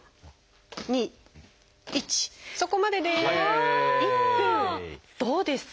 そこまでです。